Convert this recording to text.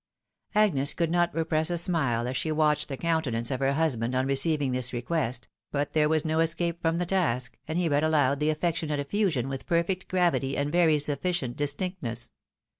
" Agnes could not repress a smile as she watched the countenance of her husband on receiving this request, but there was no escape from the task, and he read aloud the affectionate effusion with perfect gravity, and very sufficient distinctness.